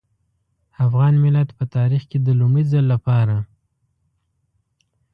افغان ملت په تاريخ کې د لومړي ځل لپاره.